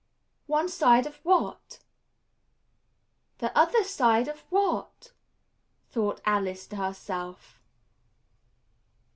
"One side of what? The other side of what?" thought Alice to herself.